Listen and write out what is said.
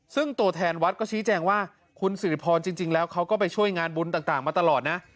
ซึ่งตัวแทนวัดก็ชี้แจงว่าคุณสิริพรจริงแล้วเขาก็ไปช่วยงานบุญต่างมาตลอดนะ